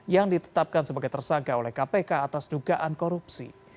yang ditetapkan sebagai tersangka oleh kpk atas dugaan korupsi